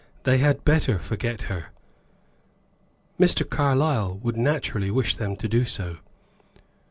They had better forget her." "Mr. Carlyle would naturally wish them to do so."